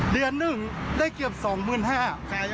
เดือนหนึ่งได้เกียบสองหมื่นห้า